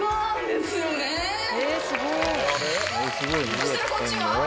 そしたらこっちは？